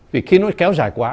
vì khi nó kéo dài quá